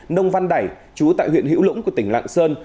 nông văn đẩy chú tại huyện hữu lũng của tỉnh lạng sơn